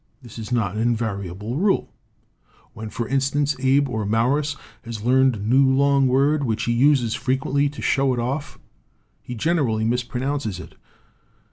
"This is not an invariable rule. When, for instance, Abe or Mawruss has learned a new long word which he uses frequently to show it off, he generally mispronounces it.